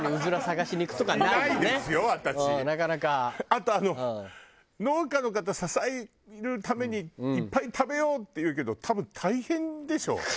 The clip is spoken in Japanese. あとあの農家の方支えるためにいっぱい食べようっていうけど多分大変でしょ？